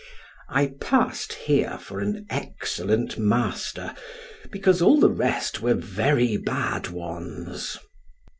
I passed here for an excellent master, because all the rest were very bad ones.